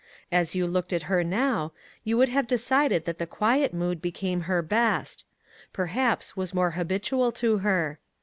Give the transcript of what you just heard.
As you looked at her now, you would have decided that the quiet mood became her best ; perhaps, was more habitual to her.